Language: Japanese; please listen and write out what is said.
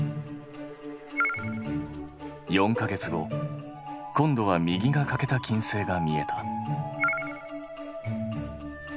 ４か月後今度は右が欠けた金星が見えた。